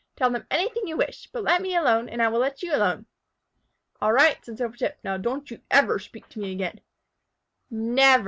Tell them anything you wish, but let me alone and I will let you alone." "All right," said Silvertip. "Now don't you ever speak to me again." "Never!"